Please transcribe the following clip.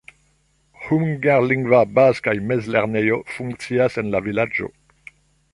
Hungarlingva baz- kaj mezlernejo funkcias en la vilaĝo.